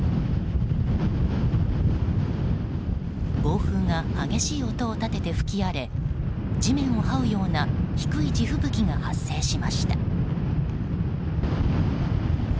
暴風が激しい音を立てて吹き荒れ地面をはうような低い地吹雪が発生しました。